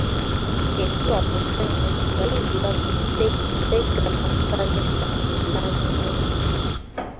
Enkuba bw'etonnya abayizi baggama ku kkanisa eriraanyeewo.